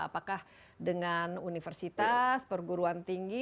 apakah dengan universitas perguruan tinggi